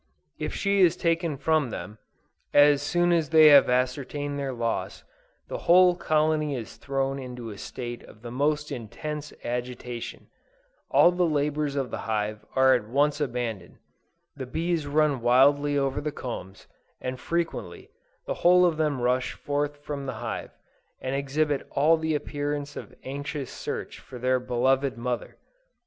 If she is taken from them, as soon as they have ascertained their loss, the whole colony is thrown into a state of the most intense agitation; all the labors of the hive are at once abandoned; the bees run wildly over the combs, and frequently, the whole of them rush forth from the hive, and exhibit all the appearance of anxious search for their beloved mother.